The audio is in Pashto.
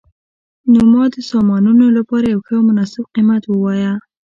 نو ما د سامانونو لپاره یو ښه او مناسب قیمت وواایه